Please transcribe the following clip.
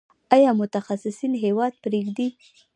آیا متخصصین هیواد پریږدي؟